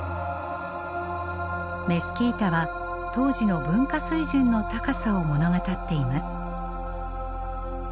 メスキータは当時の文化水準の高さを物語っています。